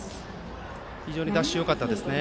非常にダッシュよかったですね。